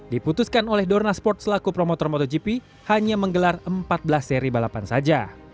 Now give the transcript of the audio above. diputuskan oleh dorna sport selaku promotor motogp hanya menggelar empat belas seri balapan saja